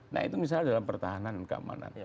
nah itu misalnya dalam pertahanan dan keamanan